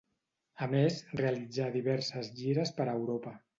A més realitzà diverses gires per Europa.